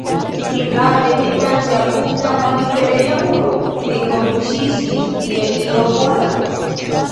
Singarde glitante apud la mallibereja muro, Ringo puŝiĝis je io mola.